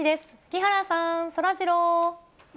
木原さん、そらジロー。